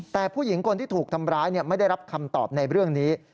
แต่ผู้หญิงคนที่ถูกทำร้ายไม่ได้รับคำตอบในเรื่องนี้